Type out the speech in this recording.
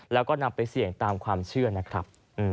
แล้วก็นำไปเสี่ยงตามความเชื่อนะครับ